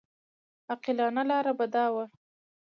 عاقلانه لاره به دا وه.